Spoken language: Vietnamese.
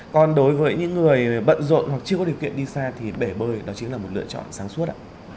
còn đối với những người bận rộn hoặc chưa có điều kiện đi xa thì bể bơi đó chính là một lựa chọn sáng suốt ạ